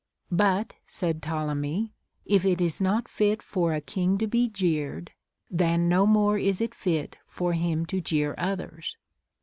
But, said Pto lemv, if it is not fit for a king to be jeered, then no more is it fit for him to jeer others.